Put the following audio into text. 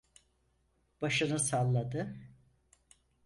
Başını salladı...